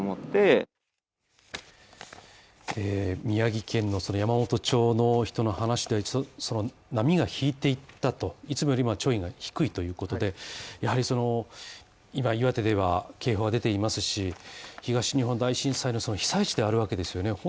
宮城県の山元町の人の話でちょっとその波が引いていったといつもよりは潮位が低いということで、やはり今岩手では警報が出ていますし、東日本大震災の被災地であるわけですよね